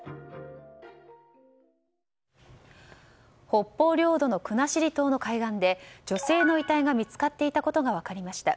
北方領土の国後島の海岸で女性の遺体が見つかっていたことが分かりました。